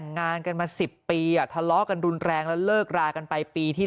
งานกันมา๑๐ปีทะเลาะกันรุนแรงแล้วเลิกรากันไปปีที่แล้ว